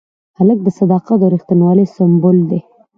هلک د صداقت او ریښتینولۍ سمبول دی.